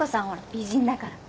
美人だから。